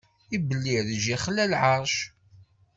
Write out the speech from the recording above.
Ibellireǧ ixla lɛeṛc.